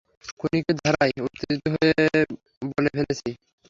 খুনিকে ধরায় উত্তেজিত হয়ে বলে ফেলেছি।